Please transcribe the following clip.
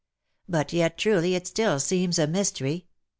But yet, truly, it still seems a mystery.